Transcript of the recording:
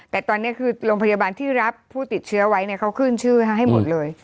แต่ตอนนี้คือโรงพยาบาลที่รับผู้ติดเชื้อไว้เขาขึ้นชื่อให้หมดเลย